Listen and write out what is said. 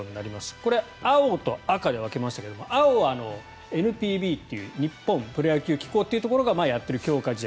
これ、青と赤で分けましたが青はＮＰＢっていう日本プロ野球機構というところがやっている強化試合。